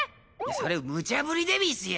それむちゃぶりでうぃすよ。